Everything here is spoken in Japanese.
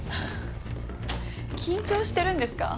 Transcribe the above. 緊張してるんですか？